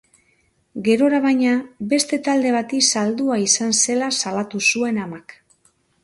Gerora, baina, beste talde bati saldua izan zela salatu zuen amak.